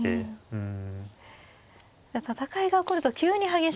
うん。